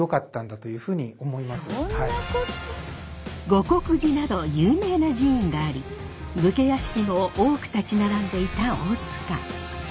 護国寺など有名な寺院があり武家屋敷も多く立ち並んでいた大塚。